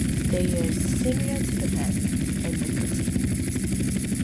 They are similar to the fez, and the kufi.